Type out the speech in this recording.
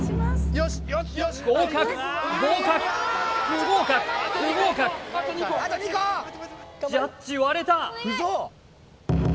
合格合格不合格不合格ジャッジ割れた！